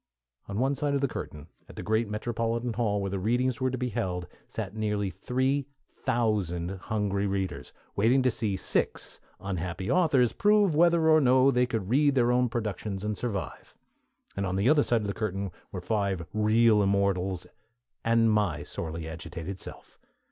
On one side of the curtain at the great metropolitan hall where the Readings were to be held sat nearly three thousand hungry readers, waiting to see six unhappy authors prove whether or no they could read their own productions and survive; and on the other side of the curtain were five real Immortals and my sorely agitated self.